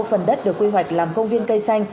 phần đất được quy hoạch làm công viên cây xanh